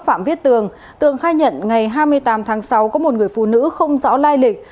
phạm viết tường tường tượng khai nhận ngày hai mươi tám tháng sáu có một người phụ nữ không rõ lai lịch